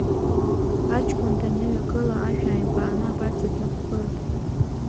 Аҷкәын даныҩагыла, ашә ааимԥааны абарҵа днықәгылеит.